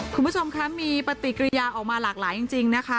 คุณผู้ชมคะมีปฏิกิริยาออกมาหลากหลายจริงนะคะ